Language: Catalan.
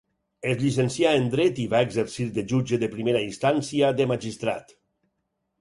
Es llicencià en dret i va exercir de jutge de primera instància de magistrat.